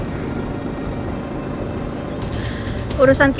gua nggak perlu bahasa bahasa